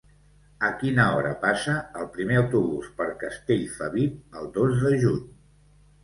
A quina hora passa el primer autobús per Castellfabib el dos de juny?